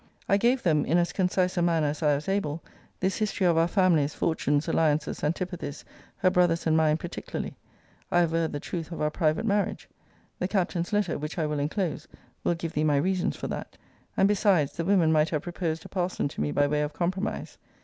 'I gave them, in as concise a manner as I was able, this history of our families, fortunes, alliances, antipathies, her brother's and mine particularly. I averred the truth of our private marriage.' The Captain's letter, which I will enclose, will give thee my reasons for that. And, besides, the women might have proposed a parson to me by way of compromise.